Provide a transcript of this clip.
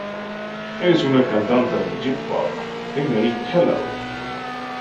Es una cantante de J-Pop en el Hello!